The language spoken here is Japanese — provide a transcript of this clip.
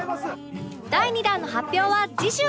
第２弾の発表は次週